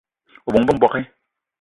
O bóng-be m'bogué!